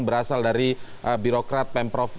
berasal dari birokrat pemprov